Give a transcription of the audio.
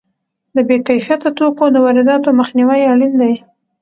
د بې کیفیته توکو د وارداتو مخنیوی اړین دی.